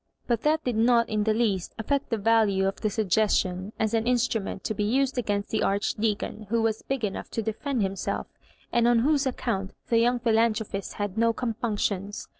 But that did not in the least affect the value of the suggestion as an instrument to be used against the Archdeacon, who was big enough to defend himself) and on whose ac count the young philanthropist had no com punctions.